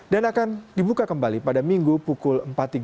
dan akan dibuka kembali pada minggu pukul empat tiga puluh